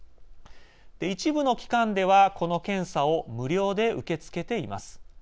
一部の機関では、この検査を無料で受け付けています。